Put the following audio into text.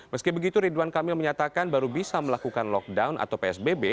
meski begitu ridwan kamil menyatakan baru bisa melakukan lockdown atau psbb